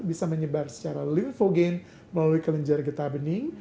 bisa menyebar secara liufogen melalui kelenjar getah bening